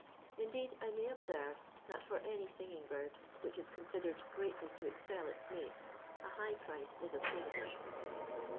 Indeed I may obserye that for any singing bird, which is considered greatly to excel its mates, a high price is obtainable.